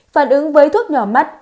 phản ứng với thuốc nhỏ mắt